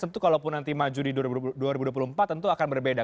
tentu kalaupun nanti maju di dua ribu dua puluh empat tentu akan berbeda